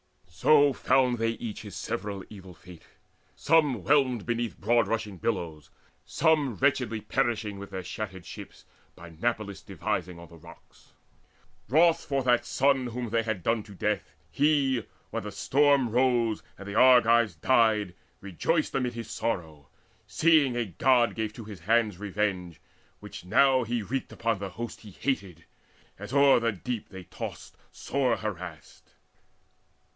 So found they each his several evil fate, Some whelmed beneath broad rushing billows, some Wretchedly perishing with their shattered ships By Nauplius' devising on the rocks. Wroth for that son whom they had done to death, He; when the storm rose and the Argives died, Rejoiced amid his sorrow, seeing a God Gave to his hands revenge, which now he wreaked Upon the host he hated, as o'er the deep They tossed sore harassed.